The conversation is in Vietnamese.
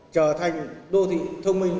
trở thành đô thị thông minh